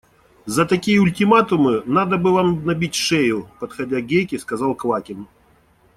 – За такие ультиматумы надо бы вам набить шею, – подходя к Гейке, сказал Квакин.